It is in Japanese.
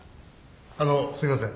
あのすいません。